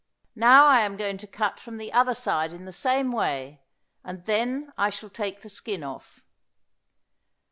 Now I am going to cut from the other side in the same way, and then I shall take the skin off.